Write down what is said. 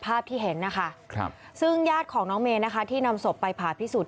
ภาพที่เห็นนะคะซึ่งญาติของน้องเมย์นะคะที่นำศพไปผ่าพิสูจน